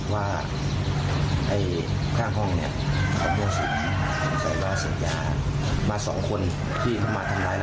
ว่าไอ้ข้างห้องเนี่ย